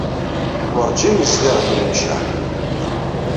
Werǧin nezdiɣ deg Lemceɛ.